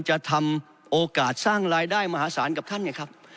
จะทำโอกาสสร้างรายได้มหาศาลกับท่านไงครับ